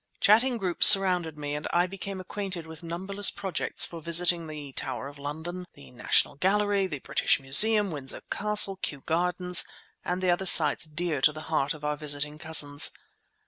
Chatting groups surrounded me and I became acquainted with numberless projects for visiting the Tower of London, the National Gallery, the British Museum, Windsor Castle, Kew Gardens, and the other sights dear to the heart of our visiting cousins.